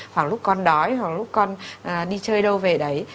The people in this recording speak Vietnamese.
khoảng lúc con đói hoặc lúc con đi chơi đâu về đấy